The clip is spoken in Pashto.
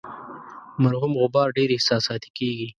مرحوم غبار ډیر احساساتي کیږي.